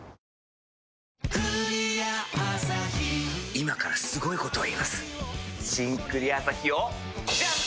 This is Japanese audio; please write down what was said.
今からすごいこと言います「新・クリアアサヒ」をジャン！